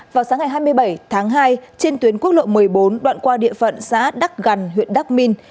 vào sáng ngày hai mươi bảy tháng hai trên tuyến quốc lộ một mươi bốn đoạn qua địa phận xã đắc gần huyện đắc minh